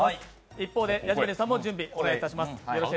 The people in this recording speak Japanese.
一方でヤジマリーさんも準備お願いいたします。